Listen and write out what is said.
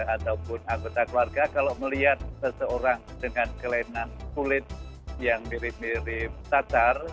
ataupun anggota keluarga kalau melihat seseorang dengan kelainan kulit yang mirip mirip cacar